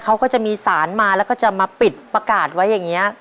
เขาก็จะมีสารมาแล้วก็จะมาปิดประกาศไว้อย่างนี้